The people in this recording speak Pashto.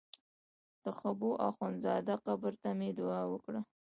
د حبو اخند زاده قبر ته مې دعا وکړه.